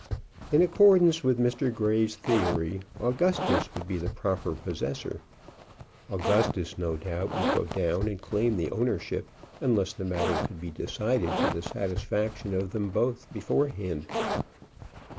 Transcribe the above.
In accordance with Mr. Grey's theory, Augustus would be the proper possessor. Augustus, no doubt, would go down and claim the ownership, unless the matter could be decided to the satisfaction of them both beforehand.